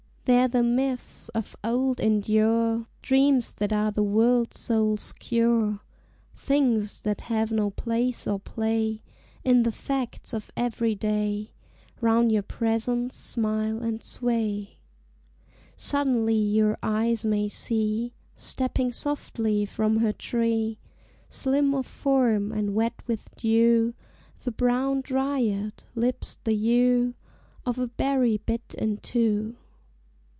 There the myths of old endure: Dreams that are the world soul's cure; Things that have no place or play In the facts of Everyday 'Round your presence smile and sway. Suddenly your eyes may see, Stepping softly from her tree, Slim of form and wet with dew, The brown dryad; lips the hue Of a berry bit into.